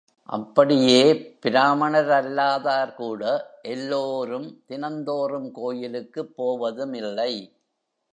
அப்படியே பிராமணரல்லாதார் கூட எல்லோரும் தினந்தோறும் கோயிலுக்குப் போவதுமில்லை.